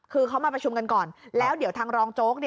คือเขามาประชุมกันก่อนแล้วเดี๋ยวทางรองโจ๊ก